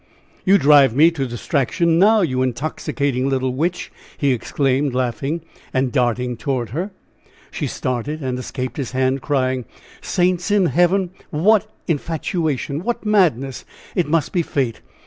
"You drive me to distraction now, you intoxicating little witch!" he exclaimed, laughing and darting towards her. She started and escaped his hand, crying: "Saints in heaven! What infatuation! What madness! It must be fate!